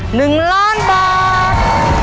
หนึ่งล้านบาท